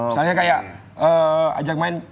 misalnya kayak ajang main